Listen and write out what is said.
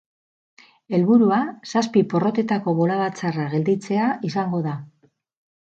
Helburua zazpi porrotetako bolada txarra gelditzea izango da.